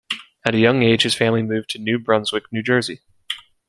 At a young age, his family moved to New Brunswick, New Jersey.